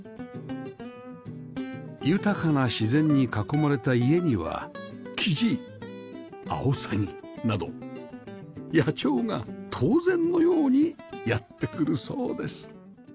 豊かな自然に囲まれた家にはキジアオサギなど野鳥が当然のようにやって来るそうです